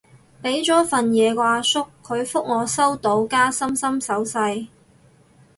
畀咗份嘢個阿叔，佢覆我收到加心心手勢